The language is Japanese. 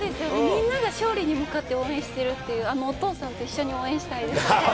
みんなが勝利に向かって応援しているお父さんと一緒に応援したいです。